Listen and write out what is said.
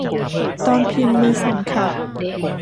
ตอนพิมพ์มือสั่นค่ะ